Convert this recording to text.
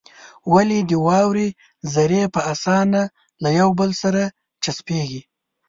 ولې د واورې ذرې په اسانه له يو بل سره چسپېږي؟